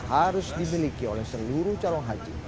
harus dimiliki oleh seluruh calon haji